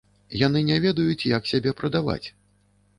Яны не ведаюць, як сябе прадаваць.